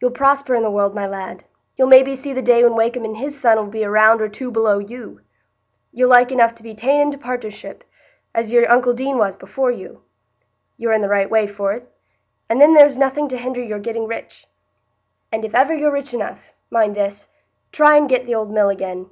You'll prosper i' the world, my lad; you'll maybe see the day when Wakem and his son 'ull be a round or two below you. You'll like enough be ta'en into partnership, as your uncle Deane was before you,—you're in the right way for't; and then there's nothing to hinder your getting rich. And if ever you're rich enough—mind this—try and get th' old mill again."